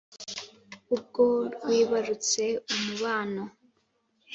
ubwo rwibarutse umubano